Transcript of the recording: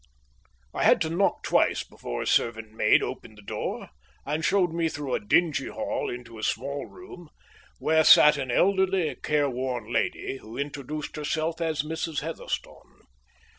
I had to knock twice before a servant maid opened the door and showed me through a dingy hall into a small room, where sat an elderly, careworn lady, who introduced herself as Mrs. Heatherstone.